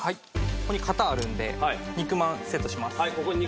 ここに型あるんで肉まんセットします。